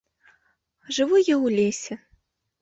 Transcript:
А жыву я ў лесе.